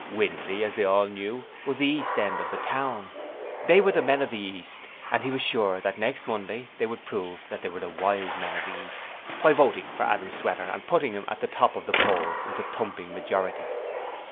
Windley, as they all knew, was the East end of the town. They were the men of the East, and he was sure that next Monday they would prove that they were the Wise Men of the East, by voting for Adam Sweater and putting him at the top of the poll with a 'Thumping Majority'.